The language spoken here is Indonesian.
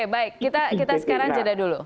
baik kita sekarang jeda dulu